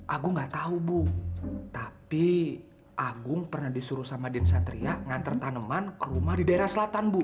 aku nggak tahu bu tapi agung pernah disuruh sama din satria ngantar tanaman ke rumah di daerah selatan bu